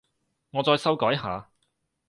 我再修改下